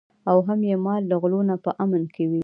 او هم یې مال له غلو نه په امن کې وي.